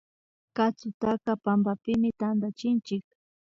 Katsutaka pampapimi tantachinchik